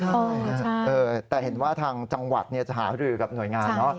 ใช่แต่เห็นว่าทางจังหวัดจะหารือกับหน่วยงานเนอะ